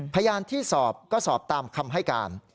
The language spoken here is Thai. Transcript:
พยานที่สอบก็สอบตามคำให้การ